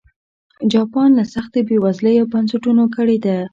جاپان له سختې بېوزلۍ او بنسټونو کړېده.